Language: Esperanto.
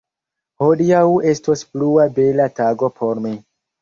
Hodiaŭ estos plua bela tago por mi.